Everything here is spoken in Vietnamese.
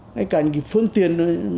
ngay cả những cái phương tiền